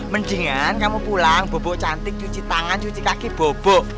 mendingan kamu pulang bubuk cantik cuci tangan cuci kaki bobo